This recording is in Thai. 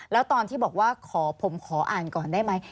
แล้วตอนที่บอกว่าขอผมขออ่านก่อนได้ไหม